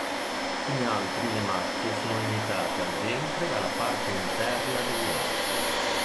In altri le macchie sono limitate al ventre e alla parte interna degli arti.